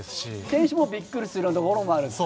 選手もびっくりするようなところもあると。